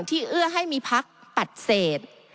ที่เอื้อให้มีพักปัดเสร็จ